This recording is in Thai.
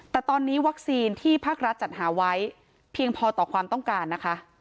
แต่ตอนนี้วัคซีนที่ภาครัฐจัดหาไว้เพียงพอต่อความต้องการนะคะ